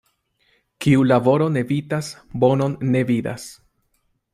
Kiu laboron evitas, bonon ne vidas.